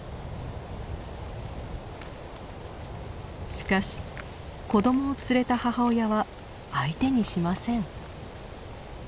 しかし子どもを連れた母親は相手にしません。